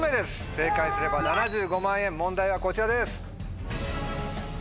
正解すれば７５万円問題はこちらです。